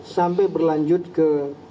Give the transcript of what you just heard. sampai berlanjut ke